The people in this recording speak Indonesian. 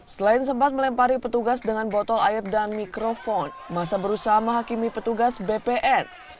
selain sempat melempari petugas dengan botol air dan mikrofon masa berusaha menghakimi petugas bpn